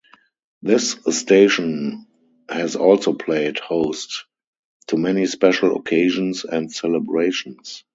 This station has also played host to many special occasions and celebrations.